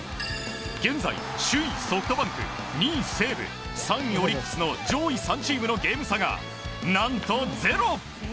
現在、首位ソフトバンク２位、西武３位、オリックスの上位３チームのゲーム差が何と０！